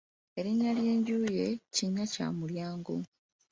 Erinnya ly'enju ye Kinnyakyamumulyango.